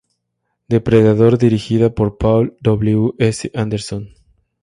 Depredador dirigida por Paul W. S. Anderson.